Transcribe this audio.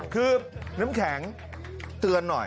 คือน้ำแข็งเตือนหน่อย